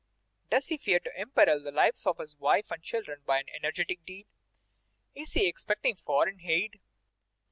Does he fear to imperil the lives of his wife and children by an energetic deed? Is he expecting foreign aid?